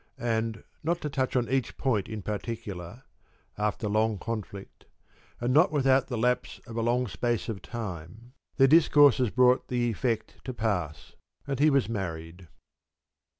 And, not to touch on each point in particular, after long conflict, and not without the lapse of a long space of time between, their discourses brought the effect to pass, and he was married.